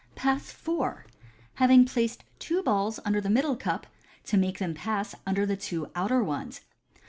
Pass IV. Having placed two Balls under the Middle Cup, to make them pass under the two Outer ones.